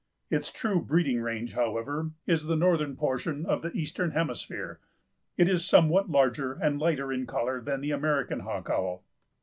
Its true breeding range, however, is the northern portion of the Eastern hemisphere. It is somewhat larger and lighter in color than the American Hawk Owl.